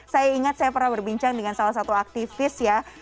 saya ingat saya pernah berbincang dengan salah satu aktivis ya